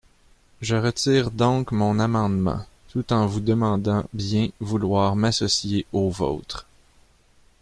Je retire donc mon amendement, tout en vous demandant bien vouloir m’associer au vôtre.